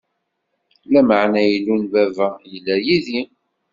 Lameɛna Illu n baba yella yid-i.